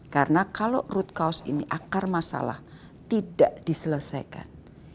karena kalau root cause ini akar masalah tidak diselesaikan